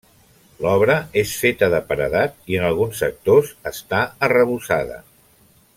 L'obra és feta de paredat i en alguns sectors està arrebossada.